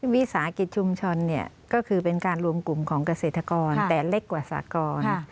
วิสาหกิจชุมชนก็คือเป็นการรวมกลุ่มของเกษตรกรแต่เล็กกว่าสากร